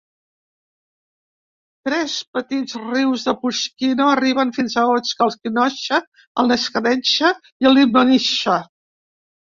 Tres petits rius de Pushchino arriben fins a Oka: el Khokhla, el Neglyadeyka i el Lyubozhiha.